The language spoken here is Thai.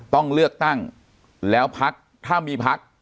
ต้องเลือกตั้งแล้วพักถ้ามีพัก